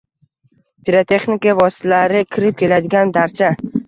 Pirotexnika vositalari kirib keladigan darcha